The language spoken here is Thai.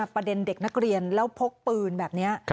ประเด็นเด็กนักเรียนแล้วพกปืนแบบนี้